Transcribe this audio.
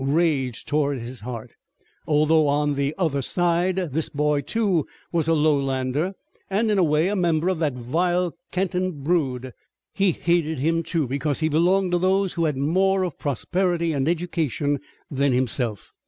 Rage tore at his heart. Although on "the other side" this boy, too, was a lowlander and in a way a member of that vile Kenton brood. He hated him, too, because he belonged to those who had more of prosperity and education than himself.